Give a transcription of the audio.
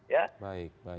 ya baik baik